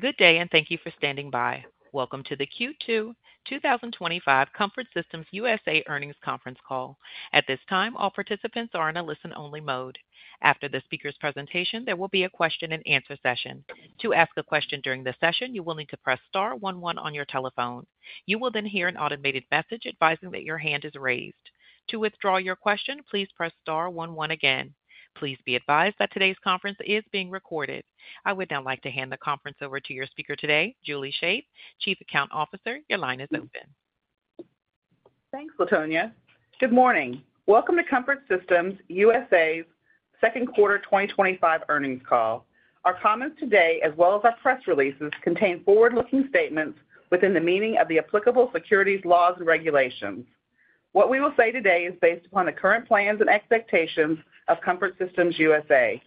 Good day, and thank you for standing by. Welcome to the Q2 2025 Comfort Systems USA Earnings Conference Call. At this time, all participants are in a listen-only mode. After the speaker's presentation, there will be a question-and-answer session. To ask a question during the session, you will need to press Star 11 on your telephone. You will then hear an automated message advising that your hand is raised. To withdraw your question, please press Star 11 again. Please be advised that today's conference is being recorded. I would now like to hand the conference over to your speaker today, Julie Shaeff, Chief Account Officer. Your line is open. Thanks, LaTonya. Good morning. Welcome to Comfort Systems USA's Second Quarter 2025 Earnings Call. Our comments today, as well as our press releases, contain forward-looking statements within the meaning of the applicable securities laws and regulations. What we will say today is based upon the current plans and expectations of Comfort Systems USA.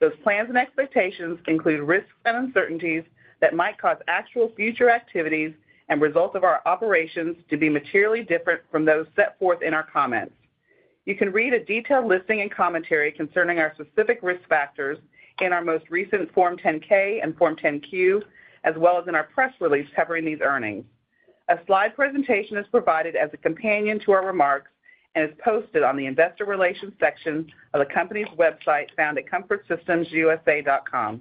Those plans and expectations include risks and uncertainties that might cause actual future activities and results of our operations to be materially different from those set forth in our comments. You can read a detailed listing and commentary concerning our specific risk factors in our most recent Form 10-K and Form 10-Q, as well as in our press release covering these earnings. A slide presentation is provided as a companion to our remarks and is posted on the investor relations section of the company's website found at comfortsystemsusa.com.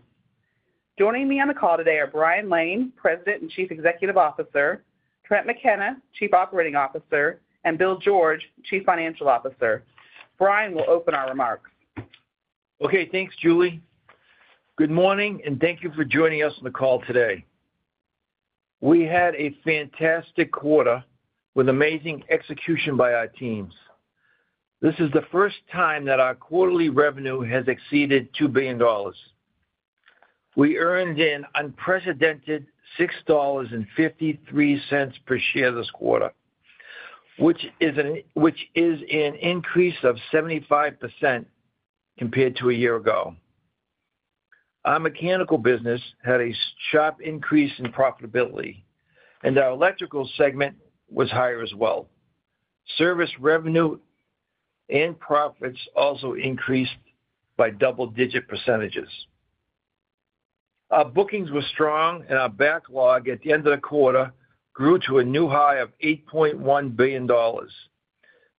Joining me on the call today are Brian Lane, President and Chief Executive Officer; Trent McKenna, Chief Operating Officer; and Bill George, Chief Financial Officer. Brian will open our remarks. Okay. Thanks, Julie. Good morning, and thank you for joining us on the call today. We had a fantastic quarter with amazing execution by our teams. This is the first time that our quarterly revenue has exceeded $2 billion. We earned an unprecedented $6.53 per share this quarter, which is an increase of 75% compared to a year ago. Our mechanical business had a sharp increase in profitability, and our electrical segment was higher as well. Service revenue and profits also increased by double-digit percentages. Our bookings were strong, and our backlog at the end of the quarter grew to a new high of $8.1 billion.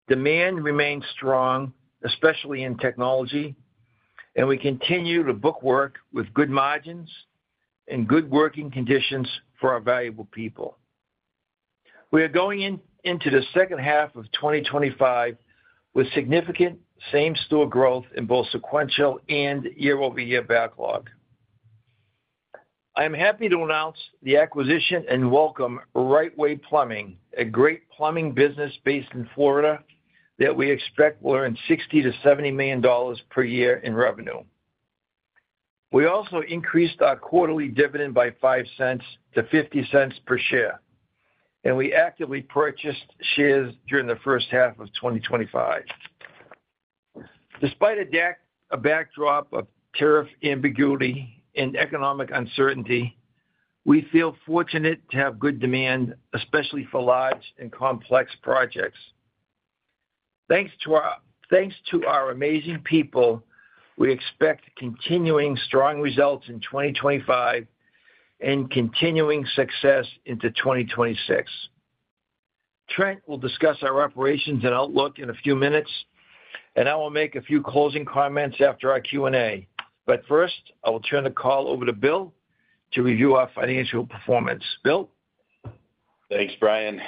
Demand remained strong, especially in technology, and we continue to book work with good margins and good working conditions for our valuable people. We are going into the second half of 2025 with significant same-store growth in both sequential and year-over-year backlog. I am happy to announce the acquisition and welcome Right Way Plumbing, a great plumbing business based in Florida that we expect will earn $60-$70 million per year in revenue. We also increased our quarterly dividend by $0.05 to $0.50 per share, and we actively purchased shares during the first half of 2025. Despite a backdrop of tariff ambiguity and economic uncertainty, we feel fortunate to have good demand, especially for large and complex projects. Thanks to our amazing people. We expect continuing strong results in 2025 and continuing success into 2026. Trent will discuss our operations and outlook in a few minutes, and I will make a few closing comments after our Q&A. First, I will turn the call over to Bill to review our financial performance. Bill. Thanks, Brian.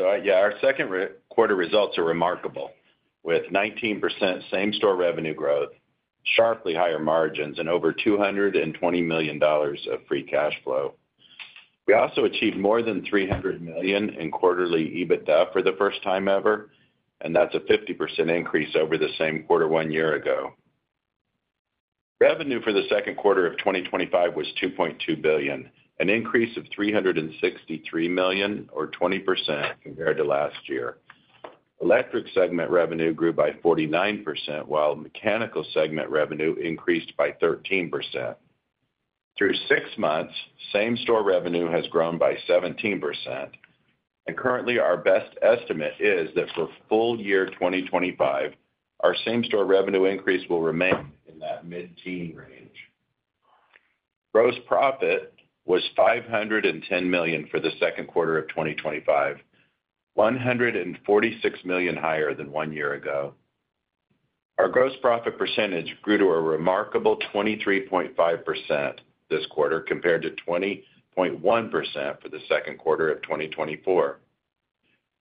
Our second quarter results are remarkable, with 19% same-store revenue growth, sharply higher margins, and over $220 million of free cash flow. We also achieved more than $300 million in quarterly EBITDA for the first time ever, and that's a 50% increase over the same quarter one year ago. Revenue for the second quarter of 2025 was $2.2 billion, an increase of $363 million, or 20% compared to last year. Electric segment revenue grew by 49%, while mechanical segment revenue increased by 13%. Through six months, same-store revenue has grown by 17%. Currently, our best estimate is that for full year 2025, our same-store revenue increase will remain in that mid-teen range. Gross profit was $510 million for the second quarter of 2025, $146 million higher than one year ago. Our gross profit percentage grew to a remarkable 23.5% this quarter compared to 20.1% for the second quarter of 2024.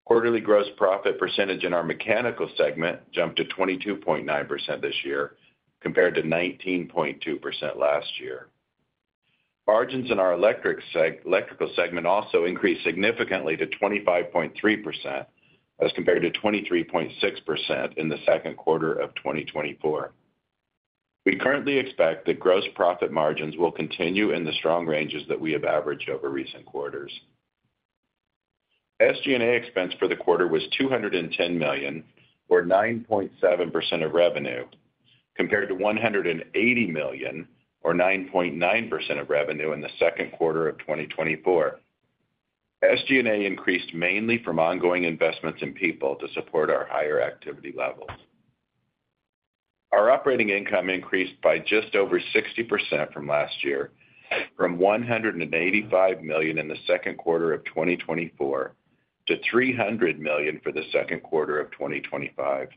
Quarterly gross profit percentage in our mechanical segment jumped to 22.9% this year compared to 19.2% last year. Margins in our electrical segment also increased significantly to 25.3% as compared to 23.6% in the second quarter of 2024. We currently expect that gross profit margins will continue in the strong ranges that we have averaged over recent quarters. SG&A expense for the quarter was $210 million, or 9.7% of revenue, compared to $180 million, or 9.9% of revenue in the second quarter of 2024. SG&A increased mainly from ongoing investments in people to support our higher activity levels. Our operating income increased by just over 60% from last year, from $185 million in the second quarter of 2024 to $300 million for the second quarter of 2025.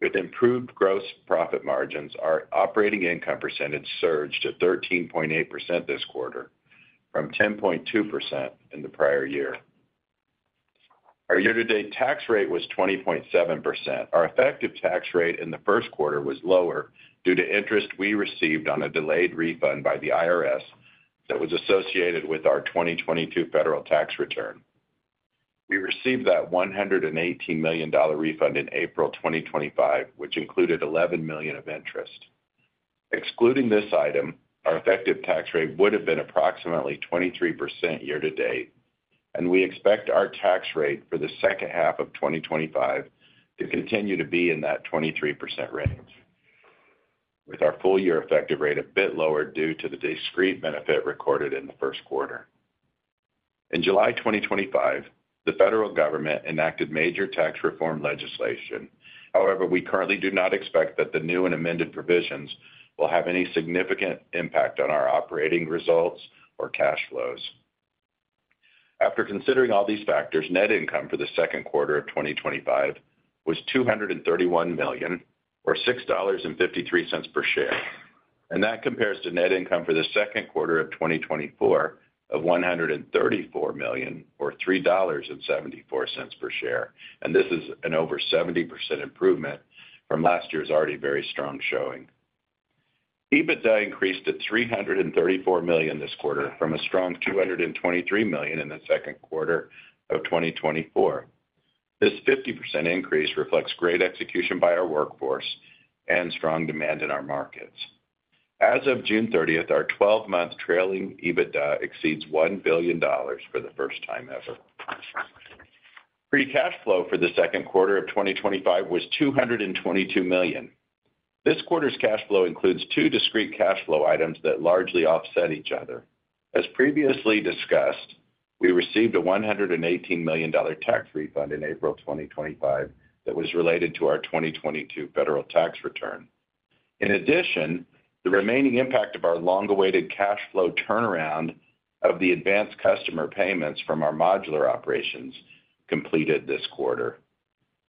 With improved gross profit margins, our operating income percentage surged to 13.8% this quarter, from 10.2% in the prior year. Our year-to-date tax rate was 20.7%. Our effective tax rate in the first quarter was lower due to interest we received on a delayed refund by the IRS that was associated with our 2022 federal tax return. We received that $118 million refund in April 2025, which included $11 million of interest. Excluding this item, our effective tax rate would have been approximately 23% year-to-date, and we expect our tax rate for the second half of 2025 to continue to be in that 23% range, with our full-year effective rate a bit lower due to the discrete benefit recorded in the first quarter. In July 2025, the Federal Government enacted major tax reform legislation. However, we currently do not expect that the new and amended provisions will have any significant impact on our operating results or cash flows. After considering all these factors, net income for the second quarter of 2025 was $231 million, or $6.53 per share. That compares to net income for the second quarter of 2024 of $134 million, or $3.74 per share. This is an over 70% improvement from last year's already very strong showing. EBITDA increased to $334 million this quarter from a strong $223 million in the second quarter of 2024. This 50% increase reflects great execution by our workforce and strong demand in our markets. As of June 30th, our 12-month trailing EBITDA exceeds $1 billion for the first time ever. Free cash flow for the second quarter of 2025 was $222 million. This quarter's cash flow includes two discrete cash flow items that largely offset each other. As previously discussed, we received a $118 million tax refund in April 2025 that was related to our 2022 federal tax return. In addition, the remaining impact of our long-awaited cash flow turnaround of the advanced customer payments from our modular operations completed this quarter.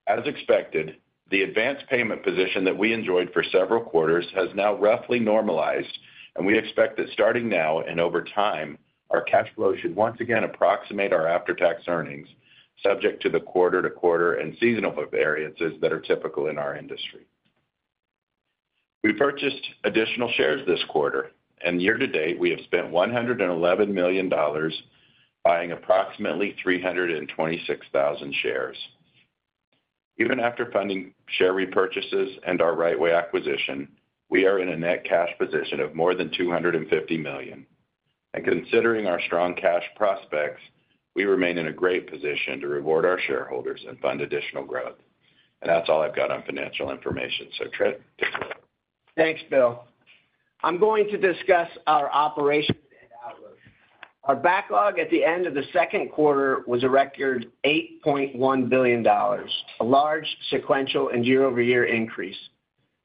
As expected, the advanced payment position that we enjoyed for several quarters has now roughly normalized, and we expect that starting now and over time, our cash flow should once again approximate our after-tax earnings, subject to the quarter-to-quarter and seasonal variances that are typical in our industry. We purchased additional shares this quarter, and year-to-date, we have spent $111 million. Buying approximately 326,000 shares. Even after funding share repurchases and our Right Way acquisition, we are in a net cash position of more than $250 million. Considering our strong cash prospects, we remain in a great position to reward our shareholders and fund additional growth. That is all I have got on financial information. Trent, take it away. Thanks, Bill. I'm going to discuss our operations and outlook. Our backlog at the end of the second quarter was a record $8.1 billion, a large sequential and year-over-year increase.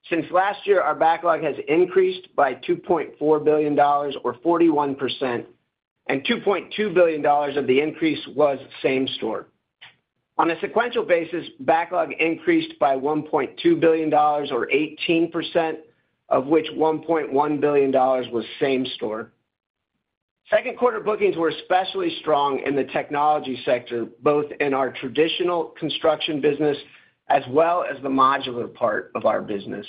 Since last year, our backlog has increased by $2.4 billion, or 41%. And $2.2 billion of the increase was same-store. On a sequential basis, backlog increased by $1.2 billion, or 18%, of which $1.1 billion was same-store. Second-quarter bookings were especially strong in the technology sector, both in our traditional construction business as well as the modular part of our business.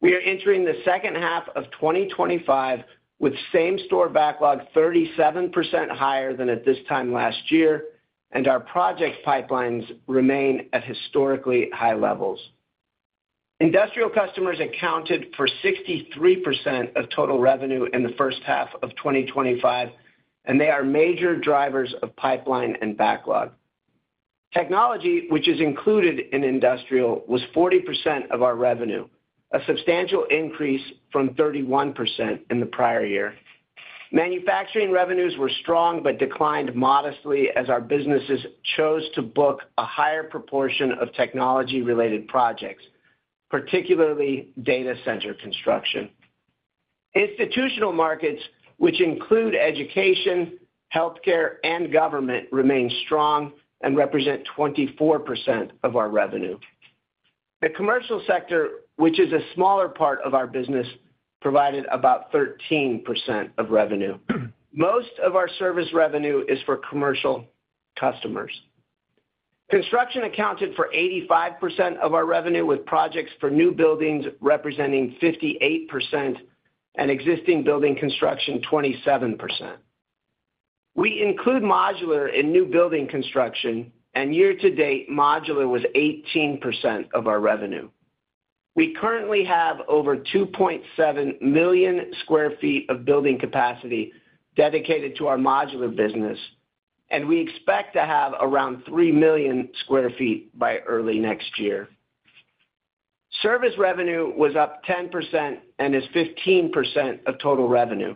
We are entering the second half of 2025 with same-store backlog 37% higher than at this time last year, and our project pipelines remain at historically high levels. Industrial customers accounted for 63% of total revenue in the first half of 2025, and they are major drivers of pipeline and backlog. Technology, which is included in industrial, was 40% of our revenue, a substantial increase from 31% in the prior year. Manufacturing revenues were strong but declined modestly as our businesses chose to book a higher proportion of technology-related projects, particularly data center construction. Institutional markets, which include education, healthcare, and government, remain strong and represent 24% of our revenue. The commercial sector, which is a smaller part of our business, provided about 13% of revenue. Most of our service revenue is for commercial customers. Construction accounted for 85% of our revenue, with projects for new buildings representing 58% and existing building construction 27%. We include modular in new building construction, and year-to-date, modular was 18% of our revenue. We currently have over 2.7 million sq ft of building capacity dedicated to our modular business. And we expect to have around 3 million sq ft by early next year. Service revenue was up 10% and is 15% of total revenue.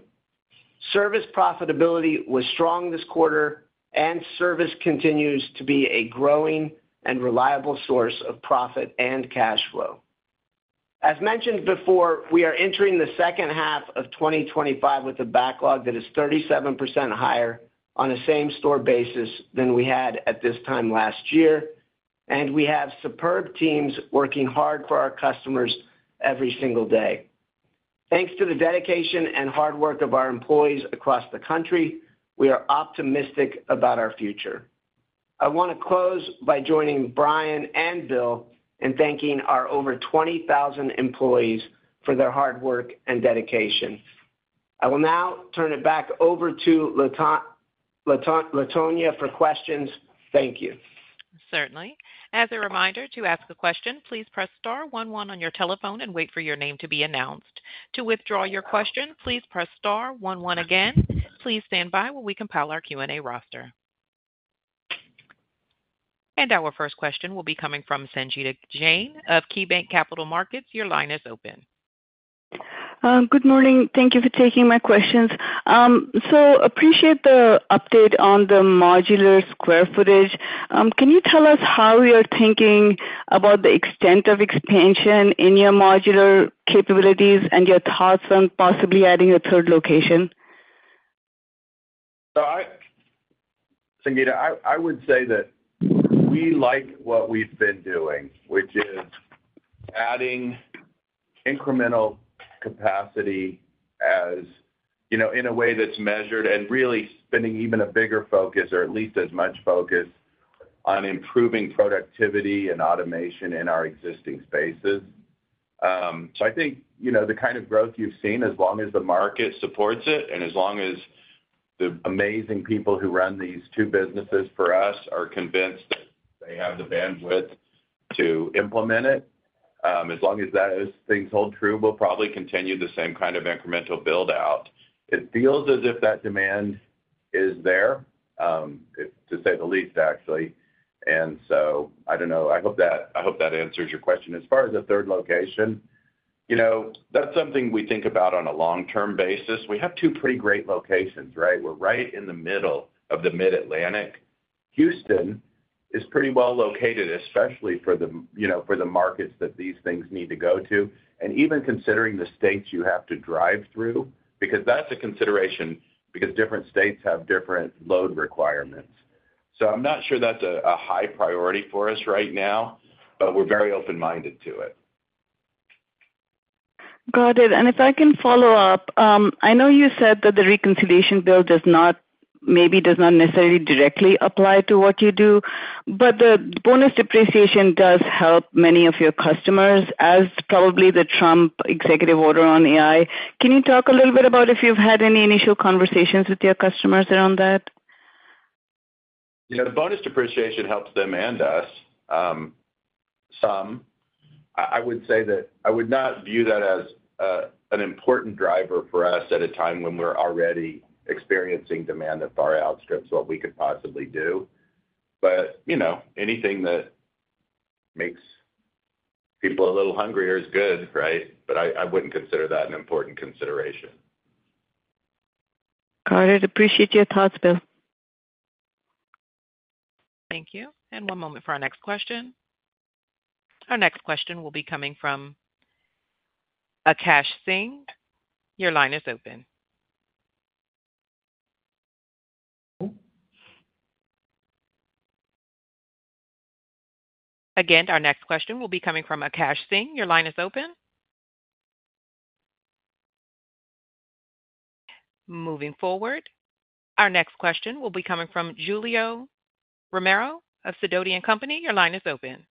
Service profitability was strong this quarter, and service continues to be a growing and reliable source of profit and cash flow. As mentioned before, we are entering the second half of 2025 with a backlog that is 37% higher on a same-store basis than we had at this time last year, and we have superb teams working hard for our customers every single day. Thanks to the dedication and hard work of our employees across the country, we are optimistic about our future. I want to close by joining Brian and Bill in thanking our over 20,000 employees for their hard work and dedication. I will now turn it back over to LaTonya for questions. Thank you. Certainly. As a reminder, to ask a question, please press star 11 on your telephone and wait for your name to be announced. To withdraw your question, please press star 11 again. Please stand by while we compile our Q&A roster. Our first question will be coming from Sangita Jain of KeyBanc Capital Markets. Your line is open. Good morning. Thank you for taking my questions. Appreciate the update on the modular square footage. Can you tell us how you're thinking about the extent of expansion in your modular capabilities and your thoughts on possibly adding a third location? Sanjita, I would say that we like what we've been doing, which is adding incremental capacity in a way that's measured and really spending even a bigger focus, or at least as much focus, on improving productivity and automation in our existing spaces. I think the kind of growth you've seen, as long as the market supports it and as long as the amazing people who run these two businesses for us are convinced that they have the bandwidth to implement it, as long as those things hold true, we'll probably continue the same kind of incremental build-out. It feels as if that demand is there, to say the least, actually. I don't know. I hope that answers your question. As far as a third location, that's something we think about on a long-term basis. We have two pretty great locations, right? We're right in the middle of the Mid-Atlantic. Houston is pretty well located, especially for the markets that these things need to go to. Even considering the states you have to drive through, because that's a consideration because different states have different load requirements. I'm not sure that's a high priority for us right now, but we're very open-minded to it. Got it. If I can follow up, I know you said that the reconciliation bill maybe does not necessarily directly apply to what you do, but the bonus depreciation does help many of your customers, as probably the Trump executive order on AI. Can you talk a little bit about if you've had any initial conversations with your customers around that? Yeah. The bonus depreciation helps them and us. Some. I would say that I would not view that as an important driver for us at a time when we're already experiencing demand at far outskirts of what we could possibly do. Anything that makes people a little hungrier is good, right? I wouldn't consider that an important consideration. Got it. Appreciate your thoughts, Bill. Thank you. One moment for our next question. Our next question will be coming from Akash Singh. Your line is open. Moving forward, our next question will be coming from Julio Romero of Sidoti & Company. Your line is open.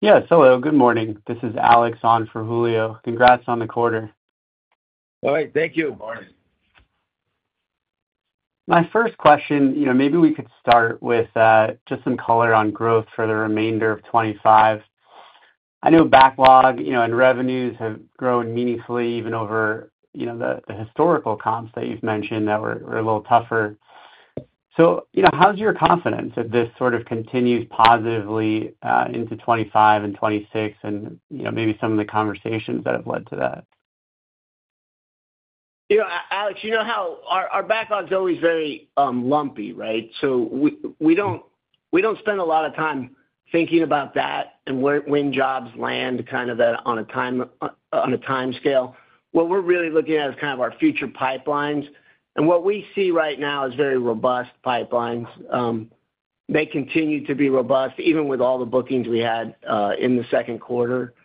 Yes. Hello. Good morning. This is Alex on for Julio. Congrats on the quarter. All right. Thank you. My first question, maybe we could start with just some color on growth for the remainder of 2025. I know backlog and revenues have grown meaningfully even over the historical comps that you've mentioned that were a little tougher. How's your confidence if this sort of continues positively into 2025 and 2026 and maybe some of the conversations that have led to that? Alex, you know how our backlog's always very lumpy, right? We don't spend a lot of time thinking about that and when jobs land kind of on a timescale. What we're really looking at is kind of our future pipelines. What we see right now is very robust pipelines. They continue to be robust even with all the bookings we had in the second quarter. Yeah,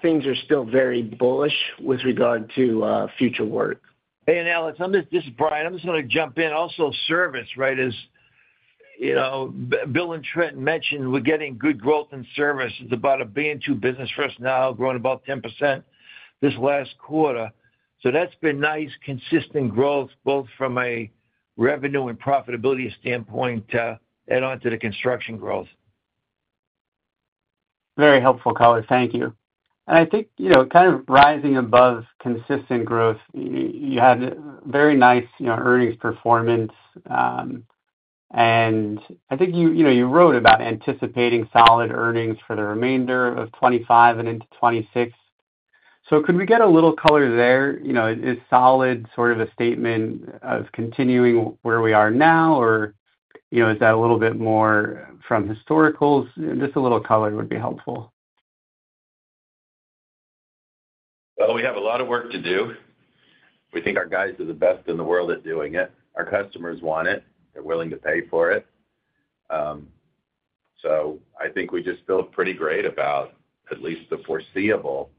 things are still very bullish with regard to future work. Hey, Alex, this is Brian. I'm just going to jump in. Also, service, right? Bill and Trent mentioned we're getting good growth in service. It's about a B and 2 business for us now, growing about 10% this last quarter. That's been nice consistent growth, both from a revenue and profitability standpoint. And onto the construction growth. Very helpful color. Thank you. I think kind of rising above consistent growth, you had very nice earnings performance. I think you wrote about anticipating solid earnings for the remainder of 2025 and into 2026. Could we get a little color there? Is solid sort of a statement of continuing where we are now, or is that a little bit more from historicals? Just a little color would be helpful. We have a lot of work to do. We think our guys are the best in the world at doing it. Our customers want it. They're willing to pay for it. I think we just feel pretty great about at least the foreseeable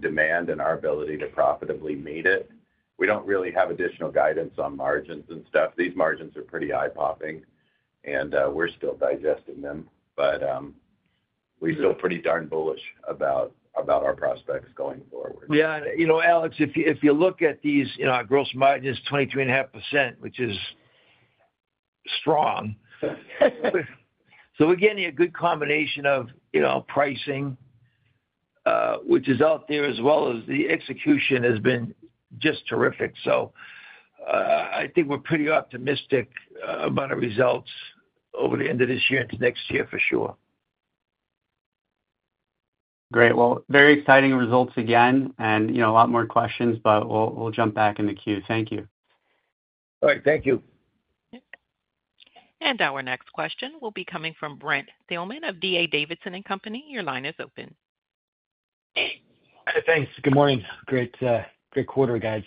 demand and our ability to profitably meet it. We don't really have additional guidance on margins and stuff. These margins are pretty eye-popping, and we're still digesting them. We're still pretty darn bullish about our prospects going forward. Yeah. Alex, if you look at these, our gross margin is 23.5%, which is strong. So we're getting a good combination of pricing, which is out there, as well as the execution has been just terrific. I think we're pretty optimistic about our results over the end of this year into next year for sure. Great. Very exciting results again and a lot more questions, but we'll jump back in the queue. Thank you. All right. Thank you. Our next question will be coming from Brent Thielman of D.A. Davidson & Company. Your line is open. Thanks. Good morning. Great quarter, guys.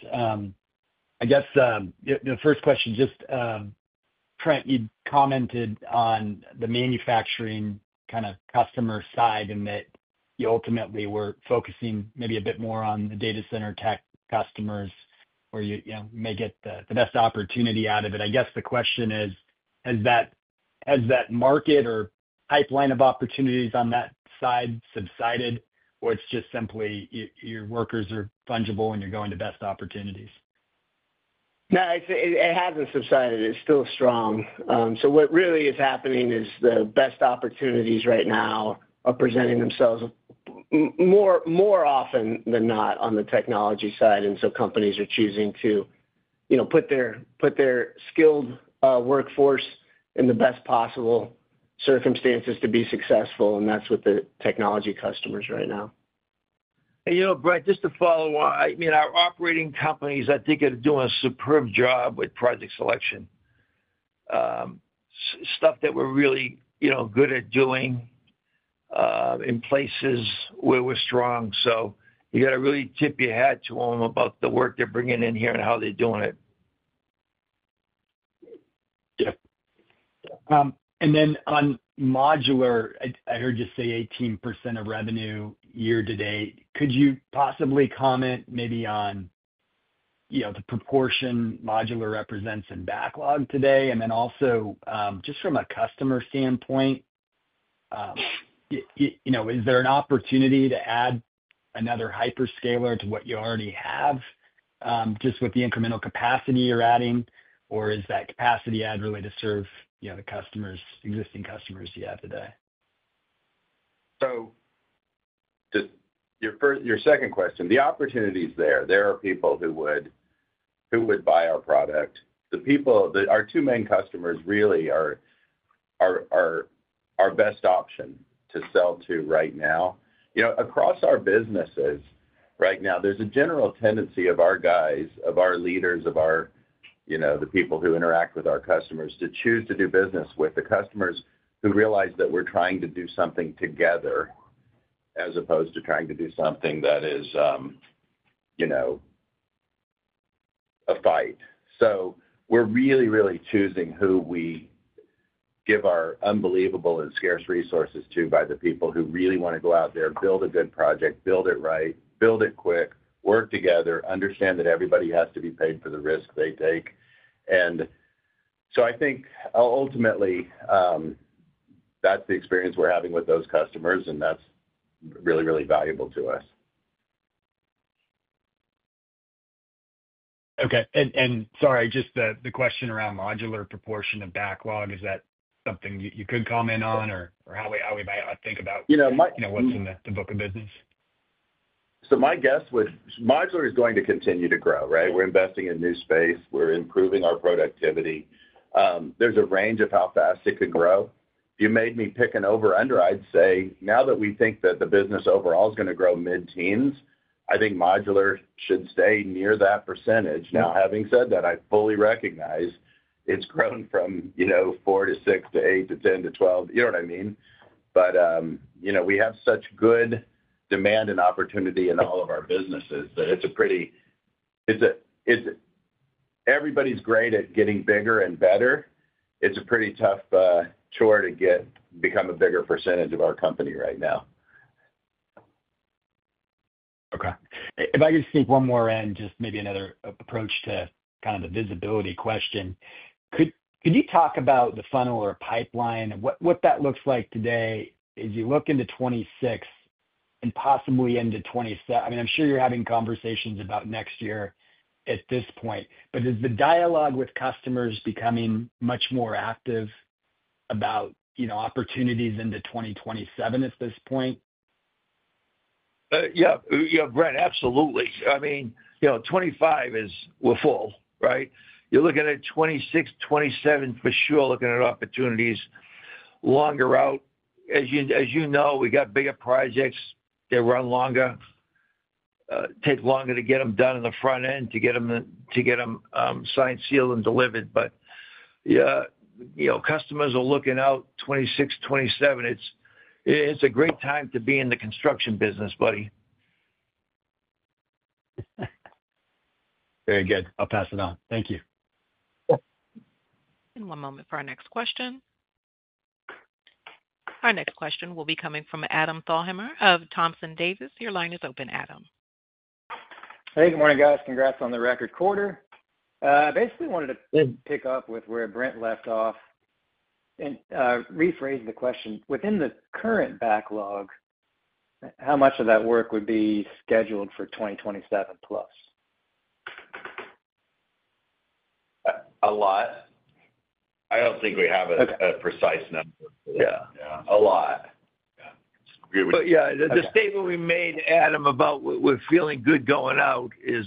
I guess the first question, just. Trent, you commented on the manufacturing kind of customer side and that you ultimately were focusing maybe a bit more on the data center tech customers where you may get the best opportunity out of it. I guess the question is, has that market or pipeline of opportunities on that side subsided, or it's just simply your workers are fungible and you're going to best opportunities? No, it hasn't subsided. It's still strong. What really is happening is the best opportunities right now are presenting themselves more often than not on the technology side. Companies are choosing to put their skilled workforce in the best possible circumstances to be successful, and that's with the technology customers right now. Brent, just to follow on, I mean, our operating companies, I think, are doing a superb job with project selection. Stuff that we're really good at doing. In places where we're strong. You got to really tip your hat to them about the work they're bringing in here and how they're doing it. Yeah. And then on modular, I heard you say 18% of revenue year to date. Could you possibly comment maybe on the proportion modular represents in backlog today? And then also, just from a customer standpoint, is there an opportunity to add another hyperscaler to what you already have, just with the incremental capacity you're adding, or is that capacity add really to serve the existing customers you have today? Your second question, the opportunity is there. There are people who would buy our product. Our two main customers really are our best option to sell to right now. Across our businesses right now, there's a general tendency of our guys, of our leaders, of the people who interact with our customers, to choose to do business with the customers who realize that we're trying to do something together, as opposed to trying to do something that is a fight. We're really, really choosing who we give our unbelievable and scarce resources to by the people who really want to go out there, build a good project, build it right, build it quick, work together, understand that everybody has to be paid for the risk they take. I think ultimately that's the experience we're having with those customers, and that's really, really valuable to us. Okay. Sorry, just the question around modular proportion of backlog, is that something you could comment on, or how we might think about? What's in the book of business? My guess would be modular is going to continue to grow, right? We're investing in new space. We're improving our productivity. There's a range of how fast it could grow. If you made me pick an over/under, I'd say now that we think that the business overall is going to grow mid-teens, I think modular should stay near that percentage. Now, having said that, I fully recognize it's grown from 4 to 6 to 8 to 10 to 12. You know what I mean? We have such good demand and opportunity in all of our businesses that it's a pretty—everybody's great at getting bigger and better. It's a pretty tough chore to become a bigger percentage of our company right now. Okay. If I could sneak one more in, just maybe another approach to kind of the visibility question. Could you talk about the funnel or pipeline and what that looks like today as you look into 2026. And possibly into 2027? I mean, I'm sure you're having conversations about next year at this point, but is the dialogue with customers becoming much more active about opportunities into 2027 at this point? Yeah. Brent, absolutely. I mean, 2025 is full, right? You're looking at 2026, 2027 for sure looking at opportunities. Longer route. As you know, we got bigger projects that run longer. Take longer to get them done in the front end, to get them signed, sealed, and delivered. Customers are looking out 2026, 2027. It's a great time to be in the construction business, buddy. Very good. I'll pass it on. Thank you. One moment for our next question. Our next question will be coming from Adam Thalhimer of Thompson Davis. Your line is open, Adam. Hey, good morning, guys. Congrats on the record quarter. I basically wanted to pick up with where Brent left off. I mean, rephrase the question. Within the current backlog, how much of that work would be scheduled for 2027 plus? A lot. I don't think we have a precise number. Yeah. A lot. Yeah. Yeah, the statement we made, Adam, about we're feeling good going out is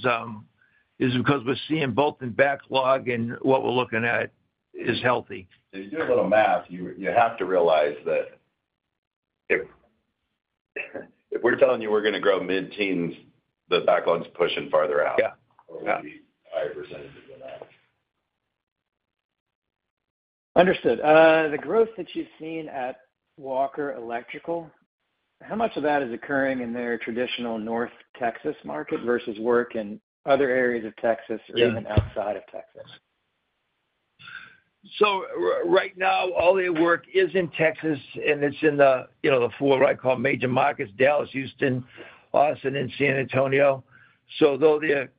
because we're seeing both in backlog and what we're looking at is healthy. If you do a little math, you have to realize that. If we're telling you we're going to grow mid-teens, the backlog's pushing farther out. Yeah. Or we'll be higher percentages of that. Understood. The growth that you've seen at Walker Electrical, how much of that is occurring in their traditional North Texas market versus work in other areas of Texas or even outside of Texas? Right now, all their work is in Texas, and it's in the four what I call major markets: Dallas, Houston, Austin, and San Antonio. Though they're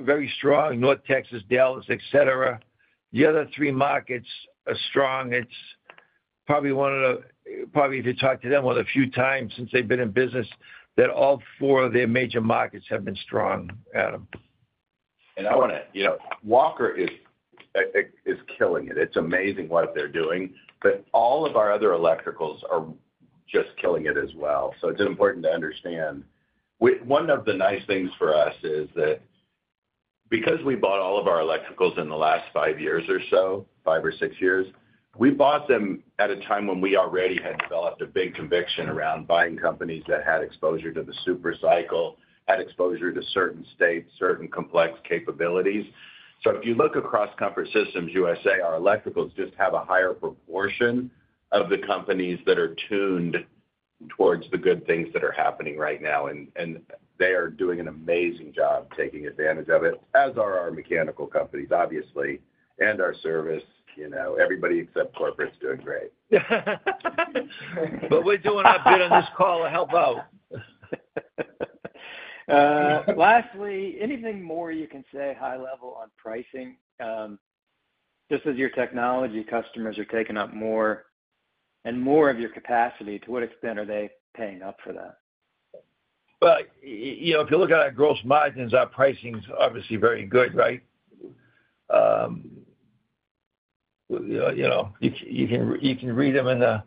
very strong—North Texas, Dallas, etc.—the other three markets are strong. It's probably one of the—probably if you talk to them a few times since they've been in business—that all four of their major markets have been strong, Adam. I want to—Walker is killing it. It is amazing what they are doing. All of our other electricals are just killing it as well. It is important to understand. One of the nice things for us is that because we bought all of our electricals in the last five years or so, five or six years, we bought them at a time when we already had developed a big conviction around buying companies that had exposure to the super cycle, had exposure to certain states, certain complex capabilities. If you look across Comfort Systems USA, our electricals just have a higher proportion of the companies that are tuned towards the good things that are happening right now. They are doing an amazing job taking advantage of it, as are our mechanical companies, obviously, and our service. Everybody except corporate is doing great. We're doing our bit on this call to help out. Lastly, anything more you can say high level on pricing? Just as your technology customers are taking up more and more of your capacity, to what extent are they paying up for that? If you look at our gross margins, our pricing's obviously very good, right? You can read them in the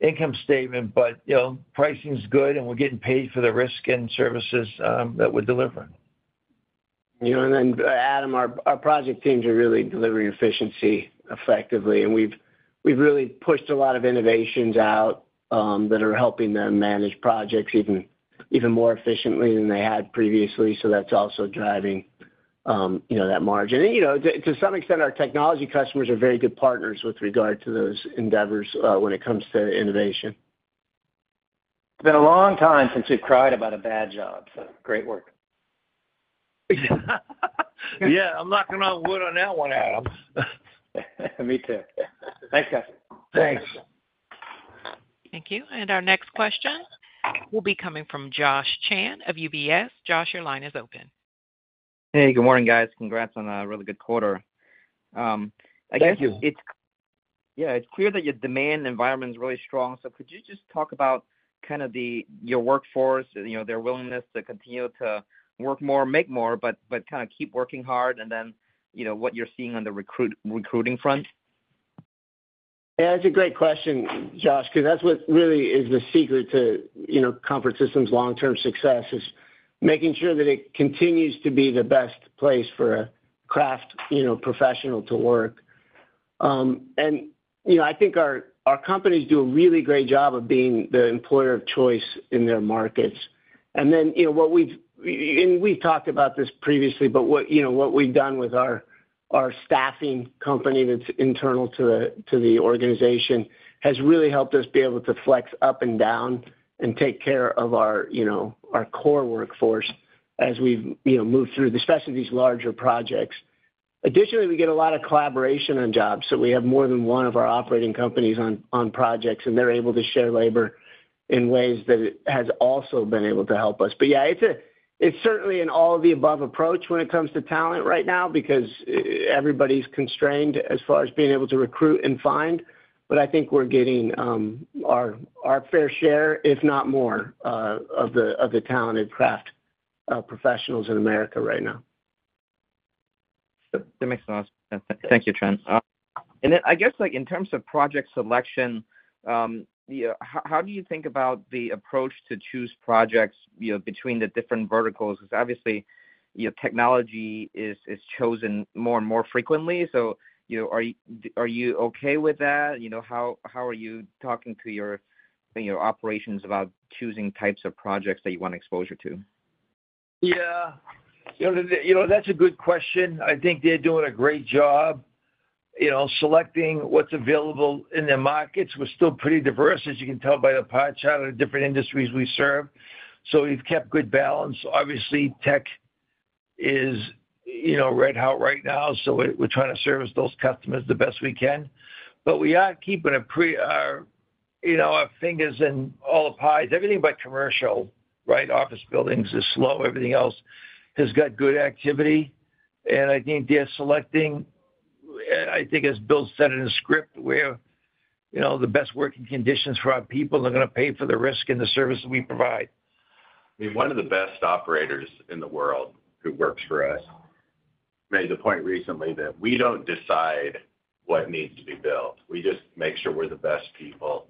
income statement, but pricing's good, and we're getting paid for the risk and services that we're delivering. Adam, our project teams are really delivering efficiency effectively. We have really pushed a lot of innovations out that are helping them manage projects even more efficiently than they had previously. That is also driving that margin. To some extent, our technology customers are very good partners with regard to those endeavors when it comes to innovation. It's been a long time since we've cried about a bad job. So great work. Yeah. I'm knocking on wood on that one, Adam. Me too. Thanks, guys. Thanks. Thank you. Our next question will be coming from Josh Chan of UBS. Josh, your line is open. Hey, good morning, guys. Congrats on a really good quarter, I guess. Thank you. Yeah. It's clear that your demand environment is really strong. Could you just talk about kind of your workforce, their willingness to continue to work more, make more, but kind of keep working hard, and then what you're seeing on the recruiting front? Yeah. That's a great question, Josh, because that's what really is the secret to Comfort Systems USA's long-term success: making sure that it continues to be the best place for a craft professional to work. I think our companies do a really great job of being the employer of choice in their markets. What we've—and we've talked about this previously—but what we've done with our staffing company that's internal to the organization has really helped us be able to flex up and down and take care of our core workforce as we've moved through, especially these larger projects. Additionally, we get a lot of collaboration on jobs. We have more than one of our operating companies on projects, and they're able to share labor in ways that have also been able to help us. Yeah, it's certainly an all-of-the-above approach when it comes to talent right now because everybody's constrained as far as being able to recruit and find. I think we're getting our fair share, if not more, of the talented craft professionals in America right now. That makes a lot of sense. Thank you, Trent. I guess in terms of project selection, how do you think about the approach to choose projects between the different verticals? Because obviously, technology is chosen more and more frequently. Are you okay with that? How are you talking to your operations about choosing types of projects that you want exposure to? Yeah. That's a good question. I think they're doing a great job. Selecting what's available in their markets is still pretty diverse, as you can tell by the pie chart of the different industries we serve. So we've kept good balance. Obviously, tech is red hot right now. We're trying to service those customers the best we can. We are keeping our fingers in all the pies. Everything but commercial, right? Office buildings are slow. Everything else has got good activity. I think they're selecting—I think it's Bill's set in a script—where the best working conditions for our people are going to pay for the risk and the service that we provide. I mean, one of the best operators in the world who works for us made the point recently that we do not decide what needs to be built. We just make sure we are the best people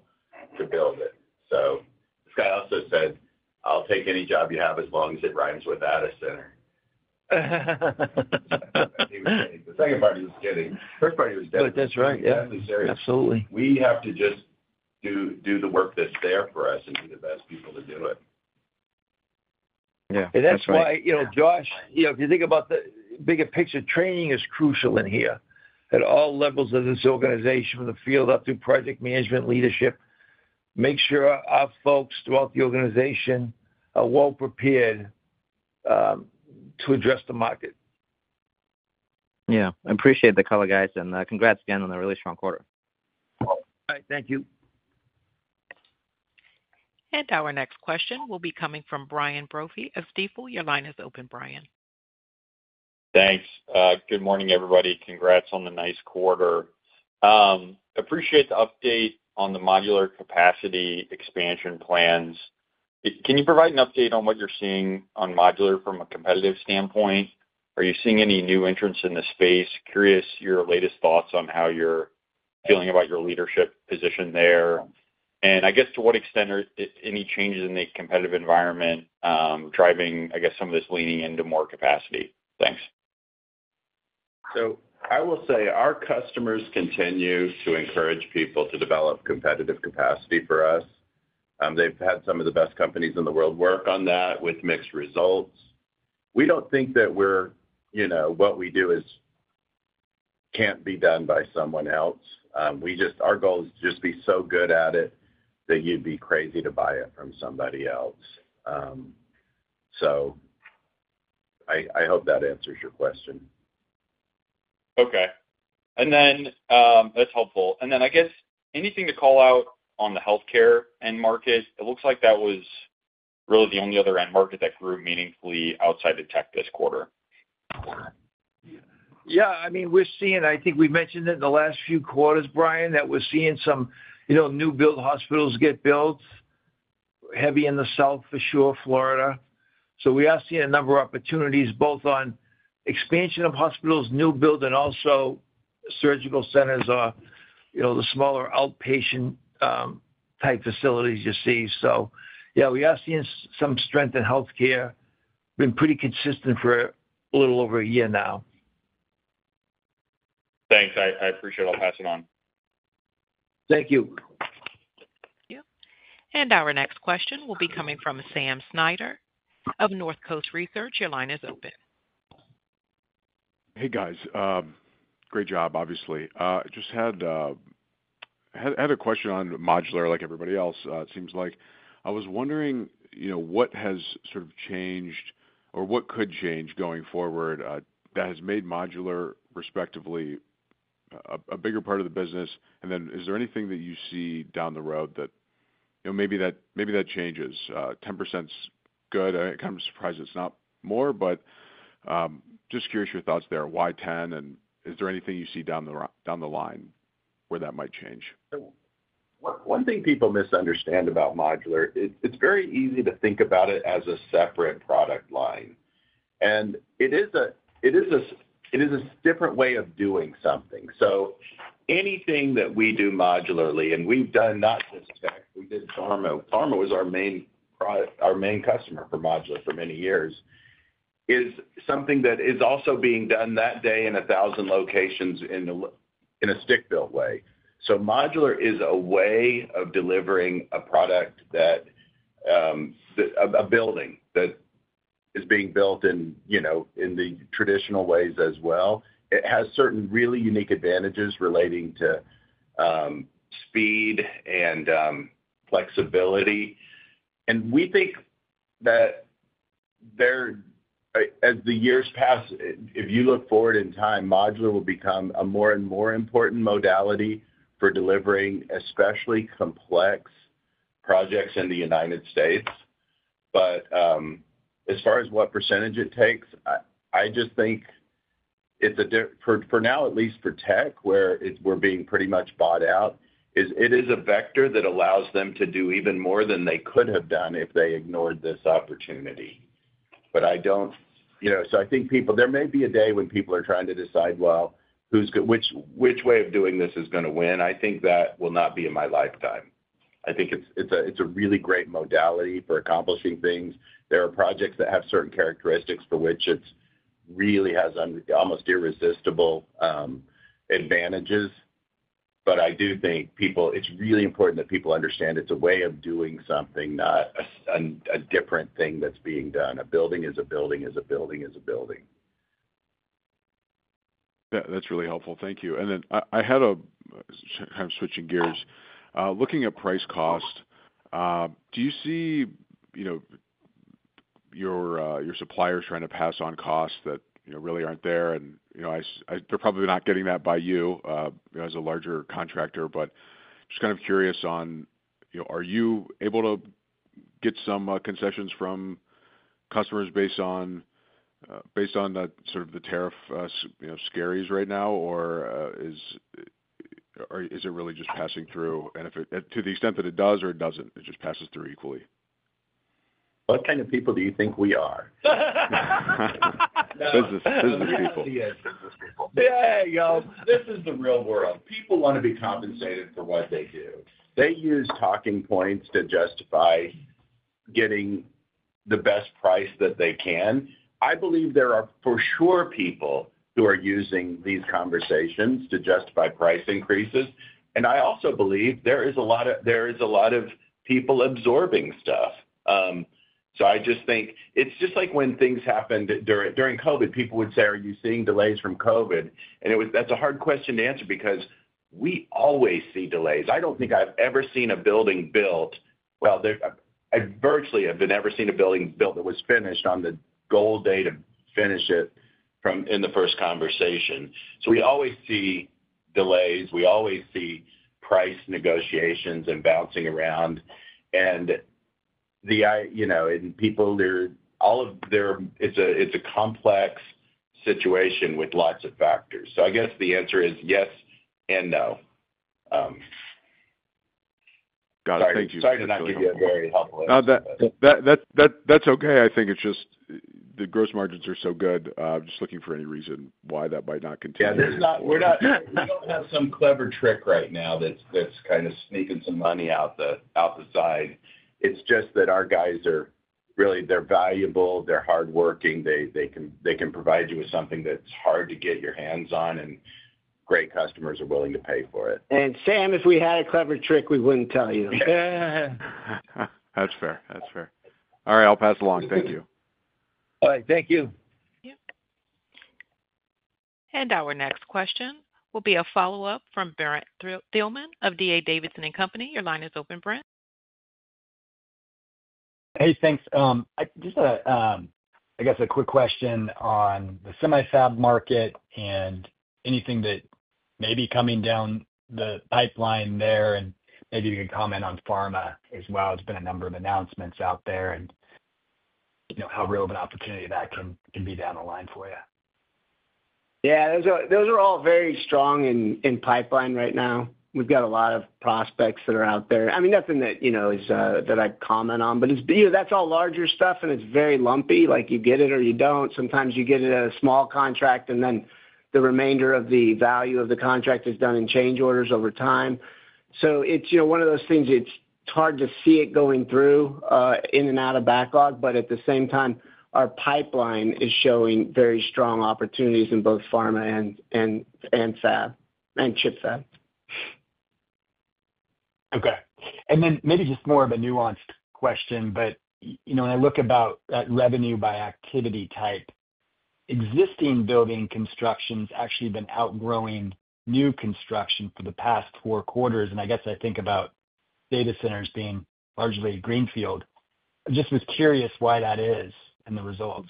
to build it. So this guy also said, "I will take any job you have as long as it rhymes with Addison." The second part was kidding. First part was deadly serious. That's right. Yeah. Absolutely. We have to just do the work that's there for us and be the best people to do it. Yeah. That's right. That is why, Josh, if you think about the bigger picture, training is crucial in here. At all levels of this organization, from the field up to project management, leadership, make sure our folks throughout the organization are well prepared. To address the market. Yeah. I appreciate the color, guys. Congrats again on a really strong quarter. All right. Thank you. Our next question will be coming from Brian Brophy of Steeple. Your line is open, Brian. Thanks. Good morning, everybody. Congrats on the nice quarter. Appreciate the update on the modular capacity expansion plans. Can you provide an update on what you're seeing on modular from a competitive standpoint? Are you seeing any new entrants in the space? Curious your latest thoughts on how you're feeling about your leadership position there. I guess to what extent are any changes in the competitive environment driving, I guess, some of this leaning into more capacity? Thanks. I will say our customers continue to encourage people to develop competitive capacity for us. They've had some of the best companies in the world work on that with mixed results. We don't think that what we do can't be done by someone else. Our goal is to just be so good at it that you'd be crazy to buy it from somebody else. I hope that answers your question. Okay. And then. That's helpful. I guess anything to call out on the healthcare end market, it looks like that was really the only other end market that grew meaningfully outside of tech this quarter. Yeah. I mean, we're seeing—I think we've mentioned it in the last few quarters, Brian—that we're seeing some new-build hospitals get built. Heavy in the South for sure, Florida. We are seeing a number of opportunities both on expansion of hospitals, new-build, and also surgical centers, the smaller outpatient type facilities you see. Yeah, we are seeing some strength in healthcare. Been pretty consistent for a little over a year now. Thanks. I appreciate it. I'll pass it on. Thank you. Thank you. Our next question will be coming from Sam Snyder of North Coast Research. Your line is open. Hey, guys. Great job, obviously. I just had a question on modular like everybody else, it seems like. I was wondering what has sort of changed or what could change going forward that has made modular, respectively, a bigger part of the business? Is there anything that you see down the road that maybe that changes? 10% is good. I'm surprised it's not more, but just curious your thoughts there. Why 10%? Is there anything you see down the line where that might change? One thing people misunderstand about modular, it's very easy to think about it as a separate product line. It is a different way of doing something. So anything that we do modularly—and we've done not just tech. We did pharma. Pharma was our main customer for modular for many years—is something that is also being done that day in 1,000 locations in a stick-built way. Modular is a way of delivering a product that—a building that is being built in the traditional ways as well. It has certain really unique advantages relating to speed and flexibility. We think that as the years pass, if you look forward in time, modular will become a more and more important modality for delivering especially complex projects in the United States. As far as what percentage it takes, I just think for now, at least for tech, where we're being pretty much bought out, it is a vector that allows them to do even more than they could have done if they ignored this opportunity. I don't—so I think people—there may be a day when people are trying to decide, well, which way of doing this is going to win. I think that will not be in my lifetime. I think it's a really great modality for accomplishing things. There are projects that have certain characteristics for which it really has almost irresistible advantages. I do think it's really important that people understand it's a way of doing something, not a different thing that's being done. A building is a building is a building is a building. That's really helpful. Thank you. I had a—kind of switching gears—looking at price cost. Do you see your suppliers trying to pass on costs that really aren't there? They're probably not getting that by you as a larger contractor. Just kind of curious, are you able to get some concessions from customers based on sort of the tariff scaries right now? Is it really just passing through? To the extent that it does or it doesn't, it just passes through equally. What kind of people do you think we are? Business people. Yeah, y'all. This is the real world. People want to be compensated for what they do. They use talking points to justify getting the best price that they can. I believe there are for sure people who are using these conversations to justify price increases. I also believe there is a lot of—there is a lot of people absorbing stuff. I just think it's just like when things happened during COVID, people would say, "Are you seeing delays from COVID?" That's a hard question to answer because we always see delays. I don't think I've ever seen a building built—well, virtually, I've never seen a building built that was finished on the goal date of finish it in the first conversation. We always see delays. We always see price negotiations and bouncing around. The—and people, all of their—it's a complex situation with lots of factors. I guess the answer is yes and no. Got it. Thank you. Sorry to not give you a very helpful answer. That's okay. I think it's just the gross margins are so good. I'm just looking for any reason why that might not continue. Yeah. We do not have some clever trick right now that is kind of sneaking some money out the side. It is just that our guys are really—they are valuable. They are hardworking. They can provide you with something that is hard to get your hands on, and great customers are willing to pay for it. If we had a clever trick, we wouldn't tell you. That's fair. That's fair. All right. I'll pass it along. Thank you. All right. Thank you. Our next question will be a follow-up from Brent Thielman of D.A. Davidson & Company. Your line is open, Brent. Hey, thanks. Just, I guess a quick question on the semi-fab market and anything that may be coming down the pipeline there. Maybe you can comment on pharma as well. There's been a number of announcements out there. How real of an opportunity that can be down the line for you. Yeah. Those are all very strong in pipeline right now. We've got a lot of prospects that are out there. I mean, nothing that I'd comment on, but that's all larger stuff, and it's very lumpy. You get it or you don't. Sometimes you get it at a small contract, and then the remainder of the value of the contract is done in change orders over time. It's one of those things; it's hard to see it going through. In and out of backlog. At the same time, our pipeline is showing very strong opportunities in both pharma and fab and chip fab. Okay. And then maybe just more of a nuanced question, but when I look about that revenue by activity type, existing building construction's actually been outgrowing new construction for the past four quarters. I guess I think about data centers being largely greenfield. I just was curious why that is and the results.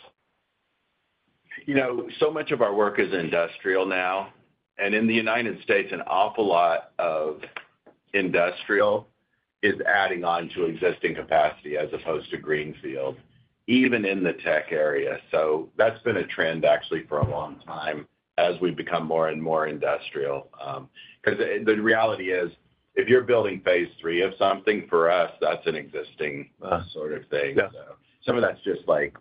Much of our work is industrial now. In the United States, an awful lot of industrial is adding on to existing capacity as opposed to greenfield, even in the tech area. That has been a trend actually for a long time as we become more and more industrial. The reality is, if you're building phase three of something for us, that's an existing sort of thing. Some of that is just like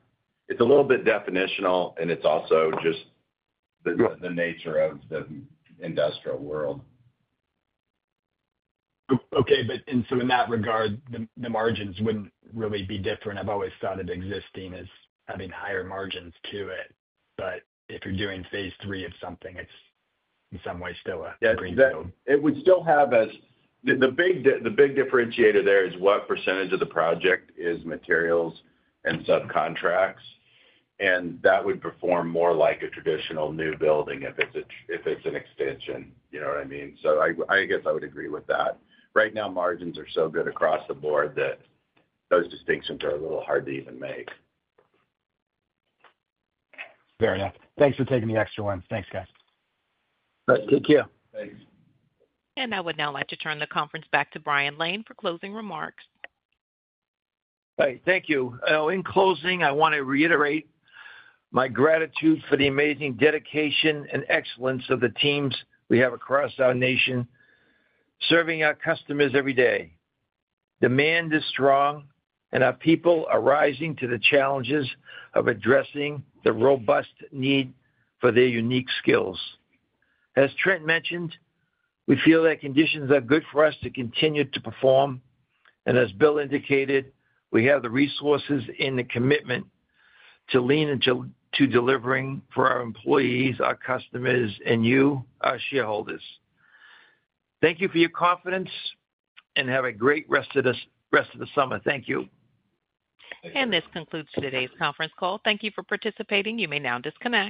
it's a little bit definitional, and it's also just the nature of the industrial world. Okay. In that regard, the margins would not really be different. I have always thought of existing as having higher margins to it. If you are doing phase three of something, it is in some way still a greenfield. It would still have as the big differentiator there is what % of the project is materials and subcontracts. That would perform more like a traditional new building if it's an extension. You know what I mean? I guess I would agree with that. Right now, margins are so good across the board that those distinctions are a little hard to even make. Fair enough. Thanks for taking the extra one. Thanks, guys. All right. Thank you. Thanks. I would now like to turn the conference back to Brian Lane for closing remarks. All right. Thank you. In closing, I want to reiterate my gratitude for the amazing dedication and excellence of the teams we have across our nation, serving our customers every day. Demand is strong, and our people are rising to the challenges of addressing the robust need for their unique skills. As Trent mentioned, we feel that conditions are good for us to continue to perform. As Bill indicated, we have the resources and the commitment to lean into delivering for our employees, our customers, and you, our shareholders. Thank you for your confidence, and have a great rest of the summer. Thank you. This concludes today's conference call. Thank you for participating. You may now disconnect.